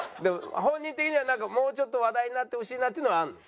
本人的にはなんかもうちょっと話題になってほしいなっていうのはあるの？